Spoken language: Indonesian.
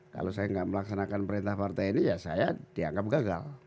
kalau saya nggak melaksanakan perintah partai ini ya saya dianggap gagal